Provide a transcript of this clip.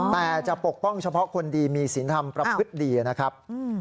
แต่จะปกป้องเฉพาะคนดีมีศีลธรรมประพฤติดีนะครับ